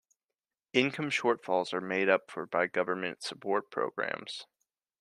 Income shortfalls are made up for by government support programs.